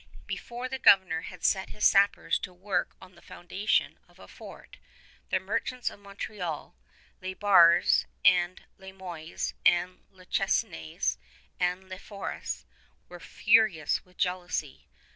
Before the Governor had set his sappers to work on the foundations of a fort, the merchants of Montreal the Le Bers and Le Moynes and Le Chesnayes and Le Fôrests were furious with jealousy.